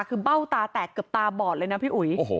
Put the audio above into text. คือเบ้าตาแตกเกือบตาบอดเลยนะพี่อุ๋ย